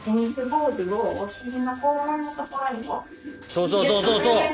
そうそうそうそうそう！